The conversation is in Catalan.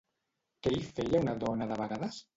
Què hi feia una dona de vegades?